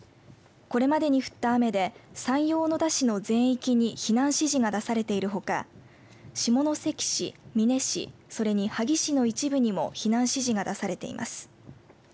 これまでに降った雨で山陽小野田市の全域に避難指示が出されているほか下関市美祢市それに萩市の一部にも避難指示が出されています。